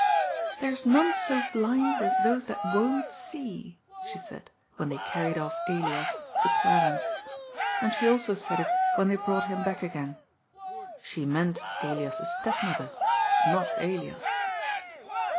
" There's none so blind as those that won't see," she said, when they carried off Elias to Clarens. And she also said it when they brought him back again. She meant Elias's stepmother, not Elias.